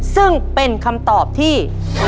ซึ่งเป็นคำตอบที่